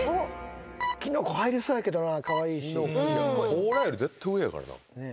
こうらより絶対上やからな。